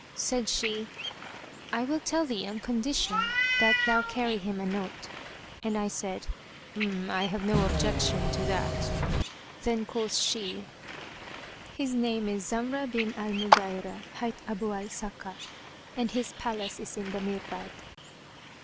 Said she, "I will tell thee on condition that thou carry him a note;" and I said "I have no objection to that." Then quoth she, "His name is Zamrah bin al Mughayrah, hight Abú al Sakhá,[FN#161] and his palace is in the Mirbad."